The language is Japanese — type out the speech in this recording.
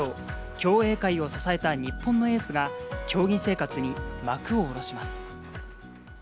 競泳界を支えた日本のエースが、競技生活に幕を下ろします。